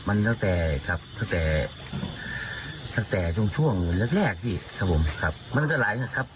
มันต้องจะหลายแบบนี้ครับ